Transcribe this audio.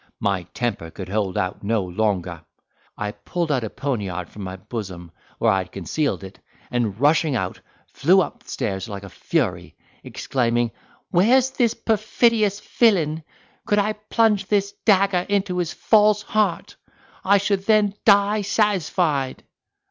My temper could hold out no longer. I pulled out a poniard from my bosom, where I had concealed it, and rushing out flew up stairs like a fury, exclaiming, "Where's this perfidious villain? could I plunge this dagger into his false heart, I should then die satisfied!"